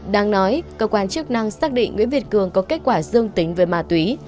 đáng nói cơ quan chức năng xác định nguyễn việt cường có kết quả dương tính với ma túy